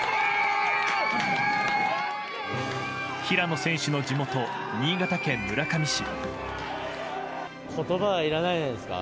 平野選手の地元新潟県村上市。